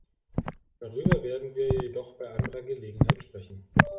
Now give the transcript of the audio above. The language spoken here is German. Darüber werden wir jedoch bei anderer Gelegenheit sprechen.